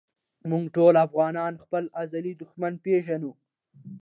مونږ ټولو افغانان خپل ازلي دښمن پېژنو